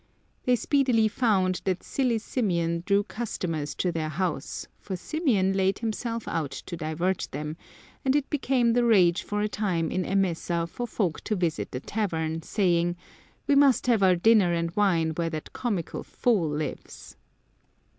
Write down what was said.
They speedily found that Silly Symeon drew customers to their house, for Symeon laid himself out to divert them, and it became the rage for a time in Emesa for folk to visit the tavern, saying, " We must have our dinner and wine where that comical fool lives."